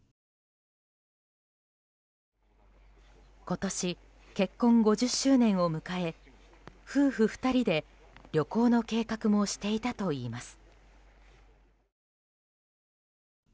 今年、結婚５０周年を迎え夫婦２人で旅行の計画もしていたといいます。